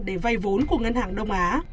để vay vốn của ngân hàng đông á